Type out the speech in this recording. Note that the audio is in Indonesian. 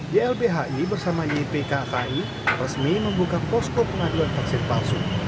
ylbhi bersama ypkki resmi membuka posko pengaduan vaksin palsu